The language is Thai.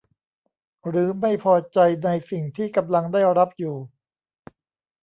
หรือไม่พอใจในสิ่งที่กำลังได้รับอยู่